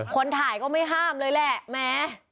คนถ่ายก็ไม่ห้ามเลยแหละแม้